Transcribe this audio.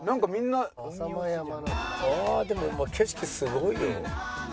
あでも景色すごいよ。